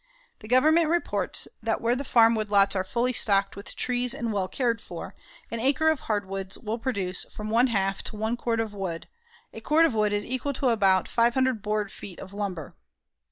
The Government reports that where the farm woodlots are fully stocked with trees and well cared for, an acre of hardwoods will produce from one half to one cord of wood a cord of wood is equal to about 500 board feet of lumber.